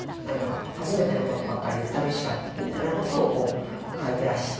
初めての事ばっかりで楽しかったみたいな事をこう書いていらして。